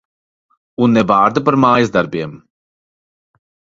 Un ne vārda par mājasdarbiem.